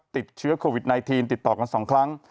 ติดเชื้อโควิด๑๙ติดต่อกัน๒ครั้ง